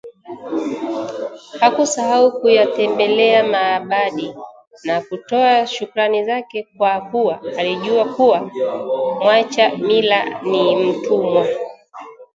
Hakusahau kuyatembelea maabadi na kutoa shukrani zake kwa kuwa alijua kuwa mwacha mila ni mtumwa